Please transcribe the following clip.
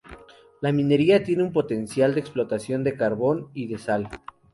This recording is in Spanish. La minería tiene un potencial de explotación de carbón y de sal.